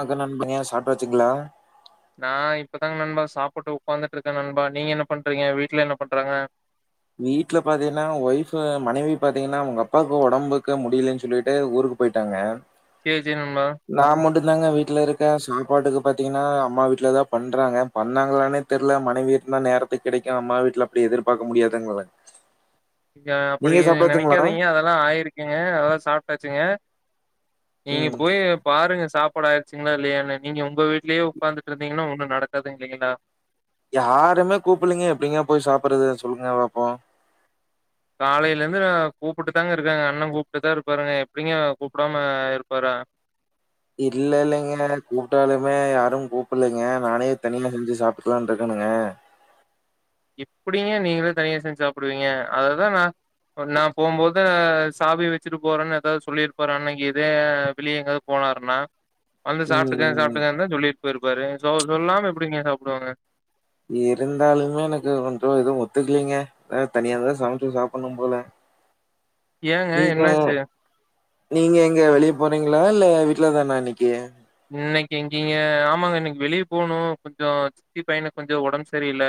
பாக்கனங்க சாப்டாச்சுங்களா நா இப்பதாங்க நண்பா சாப்பிட்டு உக்காந்துட்டு இருக்கே நண்பா நீங்க என்ன பண்றீங்க வீட்ல என்ன பண்றாங்க வீட்ல பாத்தீங்கன்னா ஒய்ஃப மனைவி பாத்தீங்கன்னா அவங்க அப்பாவுக்கு ஒடம்புக்கு முடியிலன் சொல்லிட்டு ஊருக்கு போயிட்டாங்க சேரி சே நண்பா நா மட்டு தாங்க வீட்டுல இருக்க சாப்பாட்டுக்கு பாத்தீங்கன்னா அம்மா வீட்டுலதா பண்றாங்க பண்ணாங்கலானே தெர்ல மனைவி வீட்டுல நேரத்துக்கு கிடைக்கு அம்மா வீட்டுல அப்படி எதிர் பாக்க முடியாத் டொங்கள நீங்க அப்படி நினைக்காதீங்க அதெல்லா ஆயிருக்குங்க அதெல்லா சாப்ட்டாச்சுங்க நீங்க ம் போயி பாருங்க சாப் சாப்பாடு ஆயிருச்சீங்களா இல்லையானு நீங்க உங்க வீட்லயே உக்காந்துட்ருந்தீங்கன்னா ஒன்னு நடக்காது இல்லைங்களா யாருமே கூப்பில்லீங்க எப்டிங்க போய் சாப்பிடுறது சொல்லுங்க பாப்போ காலையில இருந்து நா கூப்பிட்டு தாங்க இருக்காங்க அண்ணன் கூப்பிட்டுதா இருப்பாருங்க எப்டிங்க கூப்பிடாம இருப்பாரா இல்ல இல்லைங்க கூப்பிட்டாலுமே யாரும் கூப்பிடல்லைங்க நானே தனியா செஞ்சு சாப்டுக்கலான்னு இருக்கணுங்க எப்படிங்க நீங்களே தனியா செஞ்சு சாப்பிடுவீங்க அததா நா ஒ நா போம்போது சாவிய வச்சுட்டு போறேன்னு ஏதாவது சொல்லிருப்பாரு அன்னைக்கு இதே வெளியே எங்காதுப் போனாருனா வந்து சாப்பிட்டுக்க ம் ம் சாப்பிட்டுக்கேந்தா சொல்லிட் போயிருப்பாரு சோ சொல்லாம எப்டிங்க சாப்டுவாங்க இருந்தாலுமே எனக்கு கொஞ்ச எதும் ஒத்துக்கலீங்க ஆ தனியா தா சமைச்சு சாப்டுணு போல ஏங்க நீங்க என்னாச்சு நீங்க எங்க வெளியே போறீங்ளா இல்ல வீட்டுலதானா இன்னக்கு இன்னக்கு எங்கிங்க ஆமாங்க இன்னக்கு வெளியே போணு கொஞ்சோ சித்தி பையனுக்கு கொஞ்சோ ஒடம்பு சரியில்ல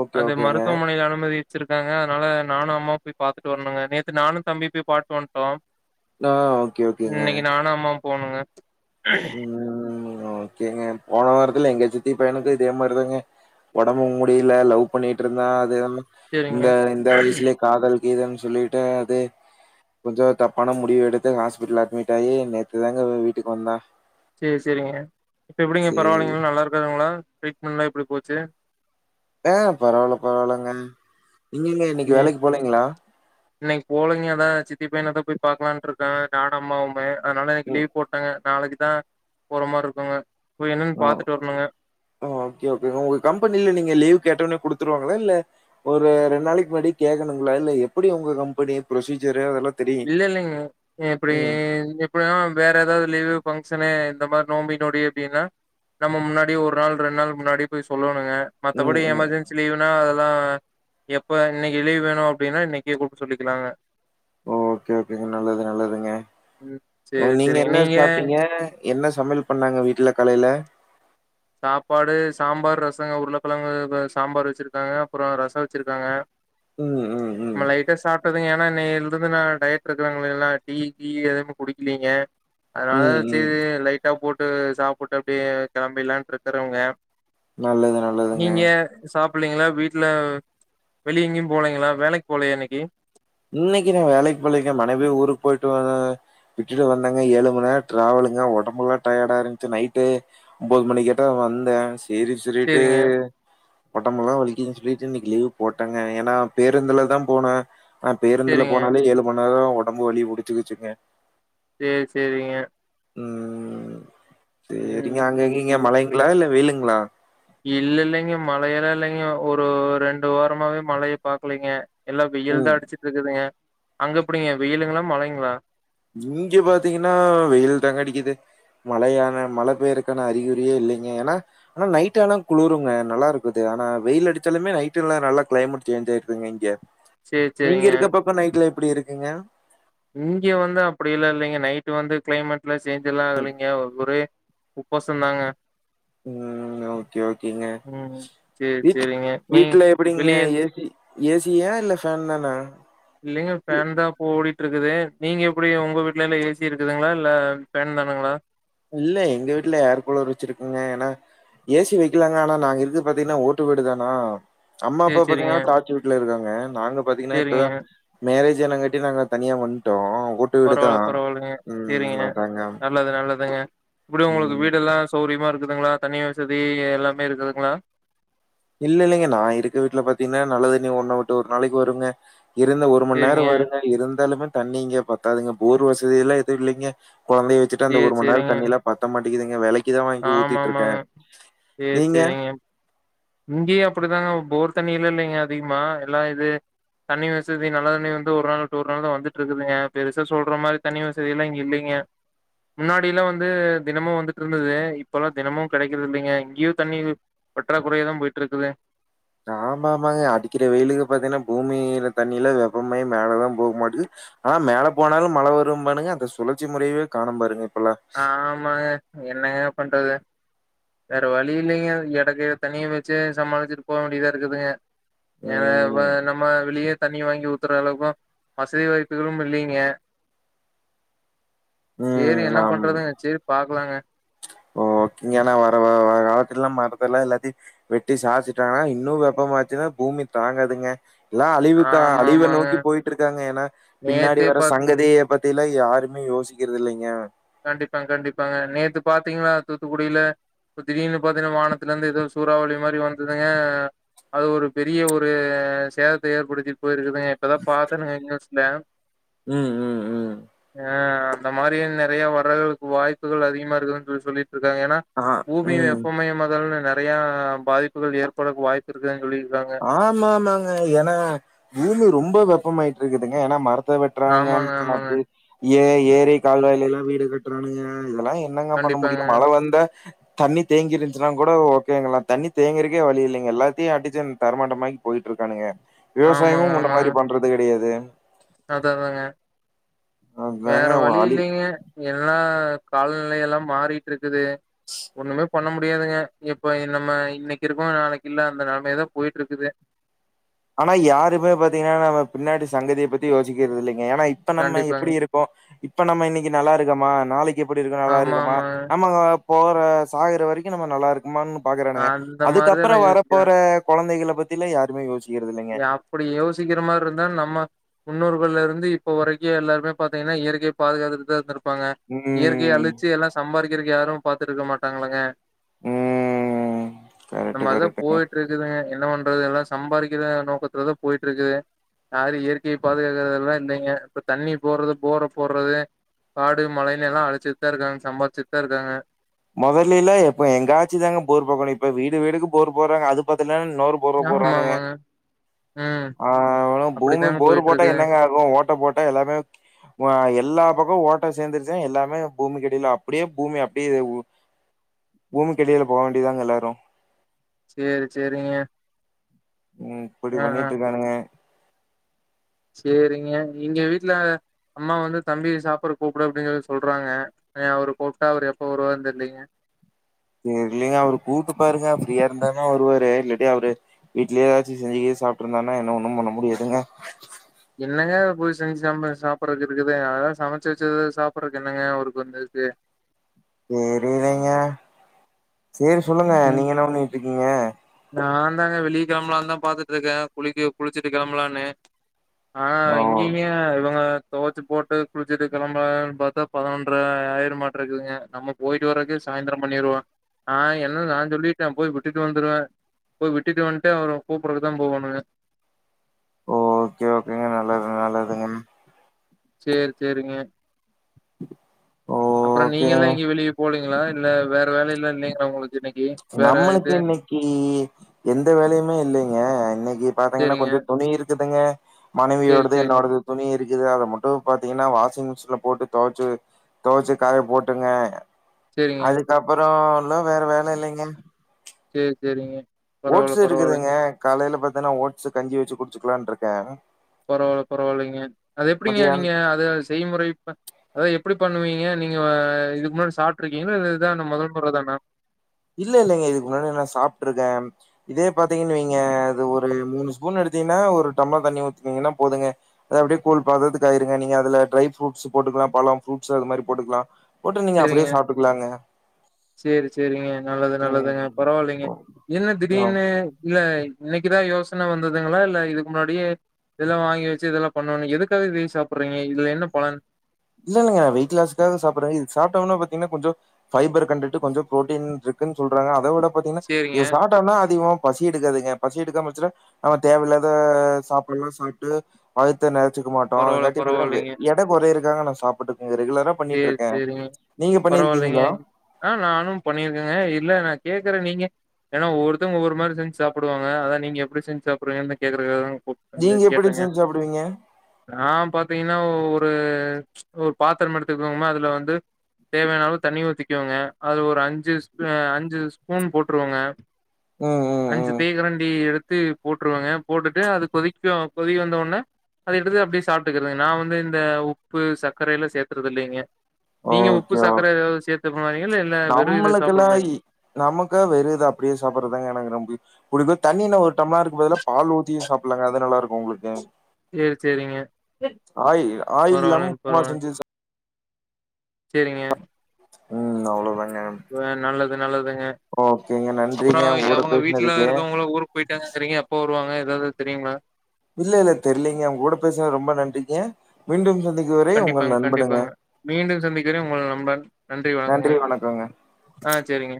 ஓகே அந்த ஓகேங்க மருத்துவ மனையில அனுமதி ச்சிருக்காங்க அதனால நானு அம்மாவு போய் பாத்துட்டு வரணுங்க நேத்து நானு தம்பியு போயி பாட்டு வன்ட்டோ ஆ ஓகே ஓகேங்க இன்னக்கு நானு அம்மாவு போணுங்க ம் ஓகேங்க போன வாரத்துல எங்க சத்தி பையனுக்கு இதே மாரிதாங்க ஒடம்பு முடியில லவ் பண்ணிட்ருந்தா அது என்னமோ சேரிங்க இந்த இந்த வயசுலே காதல் கீதல்ன்னு சொல்லிட்டு அது கொஞ்சோ தப்பான முடிவு எடுத்து ஹாஸ்பிடல் அட்மிட்டாயி நேத்துதாங்க வீட்டுக்கு வந்தா சேரி சேரிங்க இப்போ எப்டிங்க சேரி பரவாயில்லைங்ளா நல்லா இருக்காங்ளா ட்ரீட்மெண்ட்லா எப்டி போச்சு ஆ பரவால்ல பரவாலங்க நீங்கங்க இன்னிக்கு வேலைக்கு போலீங்ளா இன்னிக் போலைங்க அதா சித்தி பையனதா போய் பாக்லான்ட்ருக்க நானு அம்மாவுமு அதனால இன்னக்கு ம் லீவ் போட் டங்க நாளைக்கு தா போற மார்ருக்குங்க போயி என்னன்னு பாத்துட்டு வரணுங்க ஆ ஓகே ஓகே ஒங்க கம்பெனில நீங்க லீவ் கேட்டோனே குடுத்துருவாங்ளா இல்ல ஒரு ரெண்டு நாளைக்கு முன்னாடி கேக்கணுங்களா இல்ல எப்டி ஒங்க கம்பெனி ப்ரொசீஜரு அதெல்லாத் இல்ல இல்லைங்க எப்டி எந்து [unintelligible] யா வேற ஏதாவது லீவு பஃங்க்ஷனு இந்த மாரி நோம்பி நொடி அப்டினா நம்ம முன்னாடி ஒரு நாள் ரெண்டு நாள் முன்னாடி போயி சொல்லணுங்க ம், மத்தபடி ம். எமர்ஜென் ச்சிலீவுனா அதெல்லா எப்ப இன்னக்கு லீவ் வேணு அப்டின்னா இன்னக்கே கூப்ட்டு சொல்லிக்கலாங்க ஓகே ஓகேங்க நல்லது நல்லதுங்க ம் ஒ சேரி நீங்க சேரிங்க என்ன சாப்ட்டீங்க என்ன சமையல் பண்ணாங்க வீட்ல காலைல சாப்பாடு சாம்பார் ரசங்க உருளக்கெழங்கு வ சாம்பார் வச்சிருக்காங்க அப்பறோ ரசோ வச்சிருக்காங்க ம், ம், ம். நம்ம லட்டா சாப்ட்டத் ங்க ஏன்னா இன்னேல்ருந்து நா டயட் இருக்கிறங்கள எல்லா டீ கீ எதுமே குடிக்கலீங்க அதனாலா ம், ம். சேரி லைட்டா போட்டு சாப்ட்டு அப்டியே கெளம்பிலான்ட்ருக்கறங்க நல்லது, நல்லதுங்க. நீங்க சாப் பிள்ளைங்ளா வீட்ல வெளிய எங்கேயு போலைங்ளா வேலைக்கு போலயா இன்னிக்கி இன்னிக்கு நா வேலைக்கு போலைங்க மனைவியு ஊருக்கு போயிட்டு வர விட்டுட்டு வந்தங்க ஏழு மணி நேர டிராவலுங்க ஒடம்பெலா டயர்டா இருந்துச்சு நைட்டு ஒம்போது மணிக்காட்டதா வந்தே சேரி சொல்லிட்டு சேரிங்க ஒடம்பெல்லா வலிக்குதுன்னு சொல்லிட்டு இன்னிக்கு லீவ் போட்டங்க ஏனா பேருந்துலதா போனே ஆ பேருந்துல சேரிங்க போனாலே ஏழு மண் நேர ஒடம்பு வலி புடிச்சிக்கிச்சுங்க சேர் சேரிங்க ம் ம் சேரிங்க அங்க எங்கிங்க சேரி மழைங்ளா இல்ல வெயிலுங்ளா இல்ல இல்லைங்க மழையெல்லா இல்லைங்க ஒரு ரெண்டு வாரமாவே மழைய பாக்கலிங்க எல்லா ம் வெயில்தா அடிச்சிட்ருக்குதுங்க அங்க எப்டிங்க வெயிலுங்ளா மழைங்ளா இங்க பாத்திங்கனா வெயில் தாங்க அடிக்குது மழையான மழ பேயறக்கான அறிகுறியே இல்லங்க ஏனா ஆனா நைட் ஆனா குளுறுங்க நல்லாருக்குது ஆனா வெயிலடிச்சாலுமே நைட்டுல்லா நல்லா கிளைமேட் சேஞ்சாயிரு துங்க இங்க சேரி நீங்க சேரிங்க இருக்க பக்க நைட்ல எப்டி இருக்குங்க இங்க வந்து அப்டிலா இல்லைங்க நைட் வந்து கிளைமேட் லா சேஞ்சல்லா ஆகலிங்க ஒரே உப்பசந்தாங்க ம் ஓகே ஓகேங்க ம் சேரி வீட் சேரிங்க நீ வீட்ல எப்படிங்க வெளிய ஏ சி ஏ சி யா இல்ல ஃபேன் தானா இல்லைங்க இல் ஃபேன்தா இப்ப ஓடிட்ருக்குது நீங்க எப்படி உங்க வீட்ல எல்லா ஏ சி இருக்குதுங்ளா இல்ல ஃபேன் தானுங்ளா இல்ல எங்க வீட்ல ஏர் கூலர் வெச்சிருக்கங்க ஏன்னா ஏ சி வெக்கலாங்க ஆனா நாங்க இருக்கு பாத்திங்கன்னா ஓட்டு வீடுதானா அம்மா சேரி அப்பா சேரிங்க பாத்திங்கன்னா டாச் வீட்ல இருக்காங்க நாங்க பாத்திங்கன்னா சேரிங்க இப்பதா மேரேஜ் ஆனங்காட்டி நாங்க தனியா வன்ட்டோ ஓட்டு வீடுதா பரவால்ல பரவால்லைங்க ம் சேரிங்க அதாங்க நல்லது நல்லதுங்க எப்படி உங்களுக்கு ம் வீடெல்லா சௌரியமா இருக்குதுங்ளா தண்ணி வசதி எல்லாமே இருக்குதுங்களா இல்ல இல்லைங்க நா இருக்க வீட்ல பாத்திங்கன்னா நல்ல தண்ணி ஒரு நா விட்டு ஒரு நாளைக்கு வருங்க இருந்த ஒரு மண் நேர சேரிங்க வருங்க இருந்தாலுமே தண்ணி இங்க பத்தாதுங்க போர் வசதி எல்லா எது இல்லைங்க கொழந்தைய வெச் சுட்டு அந்த சேரி ஒரு மண் நேர சேரிங்க தண்ணிலா பத்த மாட்டிங்குதுங்க வெலைக்குதா வாங்கி ஆமா ஊத்திட்ருக்கே ஆமாங்க நீங்க இங்கயு அப்படிதாங்க போர் தண்ணிலா இல்லைங்க அதிகமா எல்லா இது தண்ணி வசதி நல்ல தண்ணி வந்து ஒரு நாள் ஒரு நாள் தா வந்துட்ருக்குதுங்க பெருசா சொல்ற மாரி தண்ணி வசதிலா இங்க இல்லிங்க முன்னாடில்லா வந்து தினமு வந்துட்ருந்துது இப்பெல்லா தினமு கிடைக்கிறது இல்லைங்க இங்கயு தண்ணி பற்றாக்குறையா தா போயிட்ருக்குது ஆமாமாங்க அடிக்கிற வெயிலுக்கு பாத்திங்னா பூமியில தண்ணியெலா வெப்பமாயி மேலதா போகுமாட்டுது ஆனா மேல போனாலு மழ வரும்பானுங்க அந்த சுழற்சி முறையவே காணம் பாருங்க இப்பெல்லா ஆமாங்க என்னங்க பண்றது வேற வழி இல்லைங்க எடக்கு தண்ணிய வெச்சு சமாளிச்சுட்டு போக வேண்டியதா இருக்குதுங்க ஏ வ ம். நம்ம வெளிய தண்ணிய வாங்கி ஊத்தற அளவுக்கு வசதி வாய்ப்புகளும் இல்லிங்க சேரி ம். என்ன ஆம். பண்றதுங்க சேரி பாக்கலாங்க ஓகேங்க ஆனா வர வர்ற காலத்துலெல்லா மரத்தெல்லா எல்லாத்தயு வெட்டி சாச்சுட்டாங்கனா இன்னு வெப்பமாச்சுன்னா பூமி தாங்காதுங்க எல்லா அழிவுக்க ஆமா அழிவ ஆமாங்க நோக்கி போயிட்ருக்காங்க ஏன்னா பின்னாடி நேத்தே வர பாத் சங்கதிய பத் தியெலா யாருமே யோசிக்கறது இல்லைங்க கண்டிப்பாங் கண்டிப்பாங்க நேத்து பாத்திங்ளா தூத்துக்குடில இப்ப திடீர்னு பாத்திங்கனா வானத்துலருந்து எதோ சூறாவளி மாரி வந்துதுங்க அது ஒரு பெரிய ஒரு சேதத்த ஏற்படுத்திட்டு போயிருக்குதுங்க இப்பதா பாத்தனுங்க நியூஸ்ல ம் ம் ம் அ அந்த மாரி இன்ன நெறையா வர்றதுக்கு வாய்ப்புகள் அதிகமா இருக்குதுன் சொல்லிட்ருக்காங்க ஏன்னா ஆ பூமி ம் வெப்பமயமாதல்னு நெ நெறையா பாதிப்புகள் ஏற்பட வாய்ப்பு இருக்கு சொல்லிருக்காங்க ஆமா ஆமாங்க ஏன்னா பூமி ரொம்ப வெப்பமாயிட்டு இருக்குதுங்க ஆனா மரத் த்த வெட்றாங்க ஆமாங்க, நர் ஆமாங்க. பே ஏன் ஏரி கால்வாயில எல்லா வீடு கட்டுறானுங்க இதெல்லா என்னங்க பண்ண கண்டிப்பாங்க. முடியும் மழ வந்தா தண்ணி தேங்கிருந்ச்சன்னா கூட ஓகேங்களா தண்ணி தேங்குறக்கே வழி இல்லங்க எல்லாத்தையும் அடிச்சம் தரமட்டமாக்கி போயிட்ருக்கானுங்க விவசாயமு ஆமாங்க, முன்ன மாதிரி பண்றது கிடயாது அதா தாங்க வேற அதாங்க வழி வலி இல்லைங்க எல்லா கால் நிலையெல்லா மாறிட்ருக்குது ஒண்ணுமே பண்ண முடியாதுங்க இப்ப இன் நம்ம இன்னைக்கு இருக்கோ நாளைக்கு இல்ல அந்த நெலமை தா போயிட்ருக்குத ஆனா யாருமே பாத்தீங்ன்னா நம்ம பின்னாடி சங்கதிய பத்தி யோசிக்கிறது இல்லங்க ஏன்னா இப்ப நம்ம கண்டிப்பாங்க. எப்படி இருக்கோ இப்ப நம்ம இன்னைக்கி நல்லா இருக்கோமா நாளைக்கு எப்படி இருக்க நல்லா ஆமா, இருக்குமா ஆமாங்க. ஆமங்க போற சாகர வரைக்கும் நம்ம நல்லா இருக்குமான் பாக்குறானுங்க அந்த மாரி தான் அதுக்கப்புறோ எல்லாம் வர போற யோசிக்கிறாங்க. கொழந்தைகளை பத்தில யாருமே யோசிச் யா அப்படி யோசிக்கிற மார்ருந்தா நம்ம முன்னோர்கள்லருந்து இப்ப வரைக்கு எல்லாருமே பாத்தீங்கன்னா இயற்கைய பாதுகாத்துட்டு தா இருந்துருப் ப்பாங்க இயற்கைய ம் அழிச்சு எல்லா சம்பாரிக்கிறக்கு யாரும் பாத்துட் இருக்க மாட்டாங்களாங்க ம் அந்த கரெக்ட் மாரிதா கரெக்ட்டுங்க போயிட்ருக்குதுங்க என்ன பண்றது எல்லா சம்பாரிக்கிற நோக்கத்துலதா போயிட்ருக்குதுக யாரும் இயற்கைய பாதுகாக்கறது எல்லா இல்லைங்க இப்ப தண்ணி போர்றது போர்ர போர்றது காடு மலைன்னல்லா அழிச்சிட்தா இருக்காங்க சம்பாரிச்சுட்தா இருக்காங்க மொதலைல்லா எப்ப எங்காச்சு தாங்க போர் போக்கணு இப்ப வீடு வீடுக்கு போர் போர்றாங்க அது பத்தலன் இன்னொர் போரு போறானுங்க ஆமாமாங்க. ம். ஆ ஆனா பூமி அப்படித்தாங்க போரு போட்டா போயிட்டுருக்கு. என்னங்க ஃபுல்லா ஓட்ட போட்டே எல்லாமே வா எல்லா பக்கோ ஓட்ட சேந்துருச்னா எல்லாமே பூமிக்கடில அப்டியே பூமி அப்டியே பூமிக்கடியில போக வேண்டிதாங்க எல்லாரு சேரி செரிங்க ம் இப்பிடி பண்ணிட்ருக்கானுங்க சேரிங்க இங்க வீட்ல அம்மா வந்து தம்பிய சாப்பட கூப்டு அப்டின் சொல்லி சொல்றாங்க அவுரு கூப்ட்டா அவுரு எப்ப வருவாருன் தெர்லீங்க தெர்லிங்க அவுரு கூப்ட்டு பாருங்க ஃப்ரீயா இருந்தா தா வருவாரு இல்லட்டி அவுரு வீட்லயே எதாச்சு செஞ்சி கின்ஜி சாப்ட்ருந்தானா என்ன ஒன்னும் பண்ண முடியாதுங்க என்னங்க போய் செஞ்சு சம்ப சாப்பறக்கு இருக்குது அதா சமச்சு வச்சது சாப்புறக்கு என்னங்க அவுருக்கு வந்து இது தெரிலங்க சேரி சொல்லுங்க ம். நீங்க என்ன பண்ணிட்ருக்கீங்க நான் தாங்க வெளிய கெளம்பலான் தா பாத்துட்ருக்க குளிக்க குளிச்சுட்டு கெளம்பலானு ஆ இன் ஓ! னிமே எங்கங்க துவச்சு போட்டு குளிச்சிட்டு கெளம்பலான் பாத்தா பதினொன்ற ஆயிர மாட்றகுக நம்ம போய்ட்டு வரக்கு சாய்ந்த்ரோ பண்ணிருவா ஆ என்னன் நா சொல்லிட்ட போய் விட்டுட்டு வந்துருவ போய் விட்டுட்டு வந்ட்டா அவர கூப்றதுக்கு தா போகணுங்க ஓ ஓகே ஓகேங்க நல்லது நல்லதுங்க சேர் செரிங்க அப்புறோ நீங்கள்லா ஓகேங்க. எங்கயு வெளிய போலீங்களா இல்ல வேற வேலைல்லா இல்லைங்களா உங்களுக்கு இன்னைக்கு வேற நம்மளுக்கு இது இன்னைக்கி எந்த வேலயுமே இல்லைங்க இன்னைக்கு பாத்தங்கன்னா சேரிங்க கொஞ்சோ துணி இருக்குதுங்க சேரி மனைவியோடது சேரிங்க என்னோடது துணி இருக்குது அத மட்டு பாத்தீங்கன்னா வாஷிங் மிஷின்ல போட்டு தொவச்சு தொவச்சு காய போட்டுங்க சேரிங்க அதுக்கப்புறோ இல்ல வேற வேல இல்லைங்க சேர் சேரிங்க பரவால்ல ஓட்ஸு பரவால்ல இருக்குதுங்க காலைல பாத்தன்னா ஓட்ஸு கஞ்சி வச்சு குடிச்சுக்கலாருக்கே பரவா இல்ல பரவா இல்லைங்க அது எப்டிங்க மதியானம் நீங்க அத செய்முறைப்ப அதா எப்டி பண்ணுவீங்க நீங்க வ இதுக்கு முன்னாடி சாப்ட்டுருக்கீங்களா இல்ல இதுதா முதல் முற தானா இல்ல இல்லங்க இதுக்கு முன்னாடி நா சாப்ட்ருக்கே இதே பாத்தீங்கன் வைங்க அது ஒரு மூணு ஸ்பூன் எடுத்தீங்கன்னா ஒரு டம்ளர் தண்ணி ஊத்துனிங்கனா போதுங்க அத அப்டியே கூல் பததுக்கு ஆயிருங்க நீங்க அதுல டிரை ஃப்ரூட்ஸ் போட்டுக்கலா பழம் ஃப்ரூட்ஸ் அது மாரி போடுக்லா போட்டு நீங்க அப்டியே சாப்ட்டுக்கலாங்க சேரி சேரிங்க நல்லது நல்லதுங்க ம் பரவா இல்லைங்க ஓ என்ன ஆ திடீனு இல்ல இன்னைக்குதா யோசன வந்துதுங்களா இல்ல இதுக்கு முன்னாடியே இதெல்லா வாங்கி வச்சு இதெல்லா பண்ணணு எதுக்காக இது சாப்டுறீங்க இதுல என்ன பலன் இல்ல இல்லங்க வெயிட்லாஸ் தானே சாப்ட்றே இது சாப்டோன பாத்தீங்ன்னா கொஞ்சோ ஃபைபர் கண்டுட்டு கொஞ்சோ புரோட்டீன் இருக்குன் சொல்றாங்க அத விட பாத்தீங்ன்னா சரிங்க. இத சாப் ப்டோனா அதிகமா பசி எடுக்காதுங்க பசி எடுக்காம இஞ்ச்சுனா அவ தேவ இல்லாத சாப்னு சொல்ட்டு வகுத்த நெறச்சுக்க மாட்டோ பரவால்ல, அதுங்காட்டி பாதிங்னா வெ பரவால்லைங்க. எட கொறையிறகாக நா சாப்பிட்டுக்கங்க ரெகுலரா பண்ணிட்டு சரி, இருக்கே நீங்க பண்ணிருக்கீங்களா அ நானு பண்ணிருக்கேங்க இல்ல நா கேக்குற நீங்க ஏனா ஒவ்வொர்தங் ஒவ்வொரு மாரி செஞ்சு சாப்புடுவாங்க அதா நீங்க எப்டி செஞ்சு சாப்புடுவீங்கன் தா கேக்குறதுக்காக தா கூப் வந்து நீங்க எப்டி கேட்டேங்க செஞ்சு சாப்டுவீங்க நா பாத்தீங்ன்னா ஒரு ஒரு பாத்தரம் எடுத்துக்கோமா அதுல வந்து தேவைனாலு தண்ணி ஊத்திக்குவேங்க அதுல ஒரு அஞ்சு ஸ்பூ அ அஞ்சு ஸ்பூன் போட்டுருவேங்க ம் ம் அஞ்சு ம் தேக்கரண்டி எடுத்து போட்டுருவங்க போட்டுட்டு அது கொதிக்கு கொதிக்க வந்த ஒட்னே அது எடுத்து அப்டியே சாப்புட்டுக்கிறதுங்க நா வந்து இந்த உப்பு சக்கரை எல்லா சேத் க்குறதில்லைங்க நீங்க உப்பு ஓகே ஓ சக்கர ஏதாது சேத்து [unintelligible] இல்ல வெறு இத சாப்புடுற மாரி நமக்கு வெறு இத அப்டியே சாப்புடுறதாங்க எனக்கு ரொம்ப புடிக்கு தண்ணி என்ன ஒரு டம்லர் இருக்கு பதுலா பால் ஊத்தியு சாப்பிடலாங்க அது நல்லா இருக்கு உங்களுக்கு சேர் சேரிங்க ஆயி ஆயில் இல்லாம பரவாயில்லைங்க உப்மா பரவாயில்லைங்க செஞ்சு சா சேரிங்க ம் அவ்ளோதாங்க நல்லது நல்லதுங்க ஓகேங்க அப்பறோ நன்றிங்க உங்க கூட அவுங்க வீட்ல பேசினதுக்கு இருக்கவங்கள ஊருக் போயிட்டாங்ககிரீங்க எப்போ வருவாங்க ஏதாது தெரியுங்களா இல்ல இல்ல தெரிலங்க உங்க கூட பேசுனது ரொம்ப நன்றிங்க மீண்டும் சந்திக்கும் வரை உங்கள் கண்டிப்பாங்க நண்பனுங்க கண்டிப்பாங்க மீண்டு சந்திக்கிறே உங்க நண்பன் நன்றி வணக்கங்க ஆ சேரிங்க